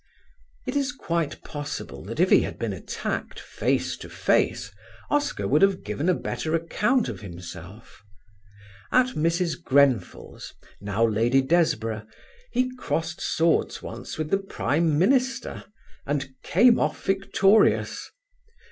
It is quite possible that if he had been attacked face to face, Oscar would have given a better account of himself. At Mrs. Grenfell's (now Lady Desborough) he crossed swords once with the Prime Minister and came off victorious.